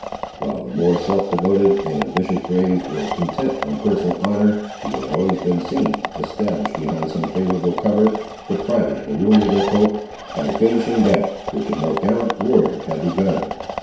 While the more self devoted and ambitious braves were intent on personal honour, he had always been seen, established behind some favourable cover, depriving the wounded of hope, by finishing that which a more gallant warrior had begun.